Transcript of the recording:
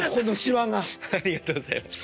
ありがとうございます。